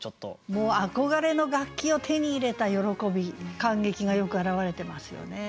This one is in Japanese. もう憧れの楽器を手に入れた喜び感激がよく表れてますよね。